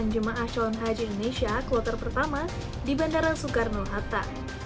jemaah shalun haji indonesia ke loter pertama di bandara soekarno hatta